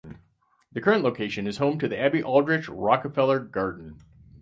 The current location is home to the Abby Aldrich Rockefeller Garden.